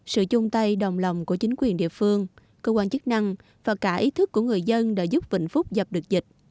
sự chung tay đồng lòng của chính quyền địa phương cơ quan chức năng và cả ý thức của người dân đã giúp vịnh phúc dập được dịch